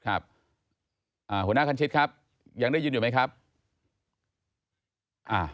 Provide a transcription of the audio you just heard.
หัวหน้าคันชิตครับยังได้ยินอยู่ไหมครับอ่า